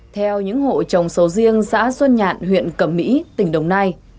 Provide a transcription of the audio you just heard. theo những hộ trồng sầu riêng xã xuân nhạn huyện cẩm mỹ tỉnh đồng nai